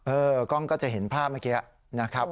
กล้องก็จะเห็นภาพเมื่อกี้นะครับ